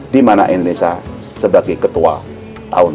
di mana indonesia sebagai ketua tahun dua ribu dua puluh dua